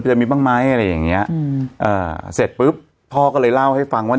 จะมีบ้างไหมอะไรอย่างเงี้ยอืมเอ่อเสร็จปุ๊บพ่อก็เลยเล่าให้ฟังว่า